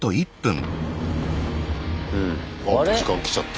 あ時間きちゃった。